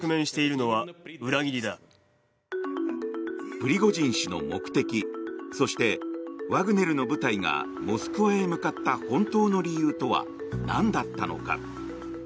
プリゴジン氏の目的そして、ワグネルの部隊がモスクワへ向かった本当の理由とはなんだったのか。